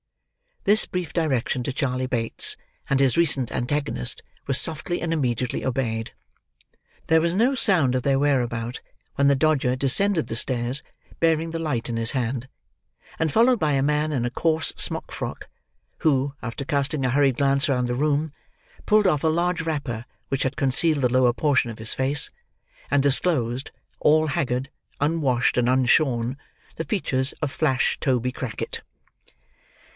This brief direction to Charley Bates, and his recent antagonist, was softly and immediately obeyed. There was no sound of their whereabout, when the Dodger descended the stairs, bearing the light in his hand, and followed by a man in a coarse smock frock; who, after casting a hurried glance round the room, pulled off a large wrapper which had concealed the lower portion of his face, and disclosed: all haggard, unwashed, and unshorn: the features of flash Toby Crackit.